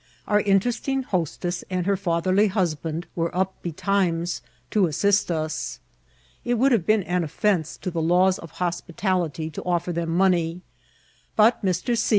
Our interesting hostess and her fatherly husband were up betimes to as sist us. It would have been an offence to the laws of hospitality to offer them money ; but Mr. C.